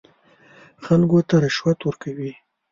خلکو ته رشوت ورکوي.